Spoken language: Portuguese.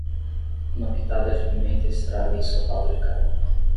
Uma pitada de pimenta estraga ensopado de carne.